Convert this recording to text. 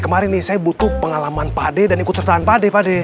kemarin nih saya butuh pengalaman pade dan ikut tertahan pade pade